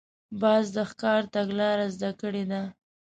باز د ښکار تګلاره زده کړې ده